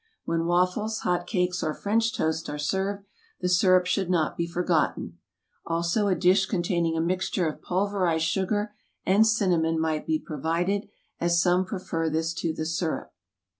When waffles, hot cakes, or French toast are served, the syrup should not be forgotten. Also a dish con taining a mixture of pulverized sugar and /A / cinnamon might be provided, as some prefer this to the syrup.